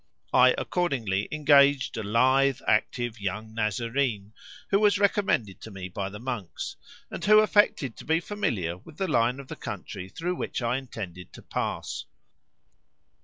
I accordingly engaged a lithe, active young Nazarene, who was recommended to me by the monks, and who affected to be familiar with the line of country through which I intended to pass.